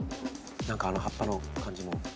何かあの葉っぱの感じも。